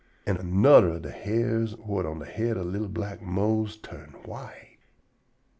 An' anudder ob de hairs whut on de head ob li'l black Mose turn white.